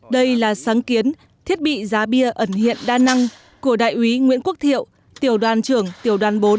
đây là sáng kiến thiết bị giá bia ẩn hiện đa năng của đại úy nguyễn quốc thiệu tiểu đoàn trưởng tiểu đoàn bốn